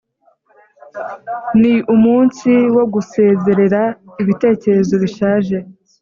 ni umunsi wo gusezerera ibitekerezo bishaje